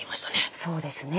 そうですね。